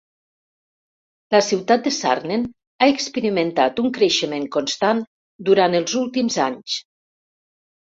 La ciutat de Sarnen ha experimentat un creixement constant durant els últims anys.